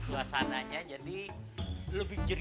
suasananya jadi lebih ceriah